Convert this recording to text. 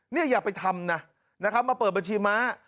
นี่อยากไปทำนะมาเปิดบัญชีม้า